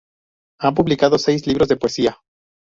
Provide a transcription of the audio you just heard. Ha publicado seis libros de poesía.